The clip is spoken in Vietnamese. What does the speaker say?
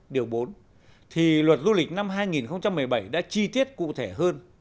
điều bốn thì luật du lịch năm hai nghìn một mươi bảy đã chi tiết cụ thể hơn